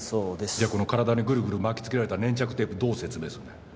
じゃあこの体にぐるぐる巻きつけられた粘着テープどう説明すんだよ。